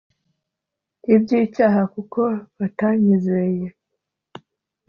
Iby icyaha kuko batanyizeye